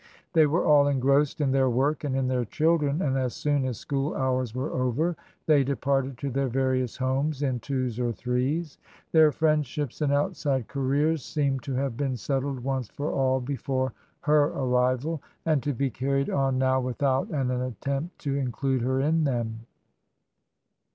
They were all engrossed in their work and in their children, and as soon as school hours were over they departed to their various homes in twos or threes. Their friendships and outside careers seemed to have been settled once for all before her arrival, and to be carried on now without an attempt to include her in them.